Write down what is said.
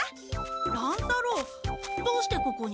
乱太郎どうしてここに？